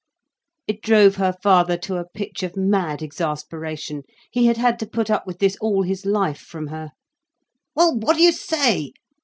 It drove her father to a pitch of mad exasperation. He had had to put up with this all his life, from her. "Well, what do you say?"